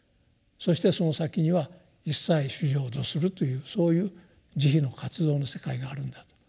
そしてその先には一切衆生を度するというそういう慈悲の活動の世界があるんだと。